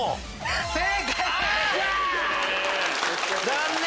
残念！